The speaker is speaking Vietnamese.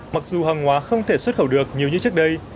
mặc dù hàng hóa không thể xuất khẩu được nhiều như trước đây